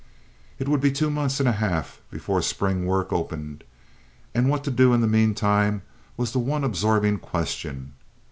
It would be two months and a half before spring work opened, and what to do in the mean time was the one absorbing question.